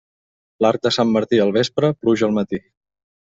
L'arc de Sant Martí al vespre, pluja al matí.